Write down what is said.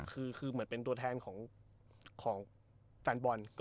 คือเหมือนเป็นตัวแทนของแฟนบอล